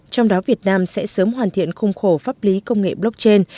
trong đó việt nam sẽ sớm hoàn thiện khung khổ pháp lý công nghệ blockchain